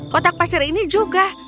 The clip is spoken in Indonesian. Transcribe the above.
kotak pasir ini juga